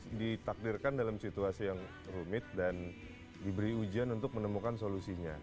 tapi di sini kita takdirkan dalam situasi yang rumit dan diberi ujian untuk menemukan solusinya